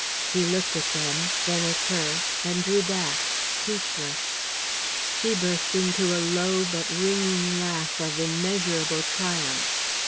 He looked at them, then at her, and drew back speechless. She burst into a low but ringing laugh of immeasurable triumph.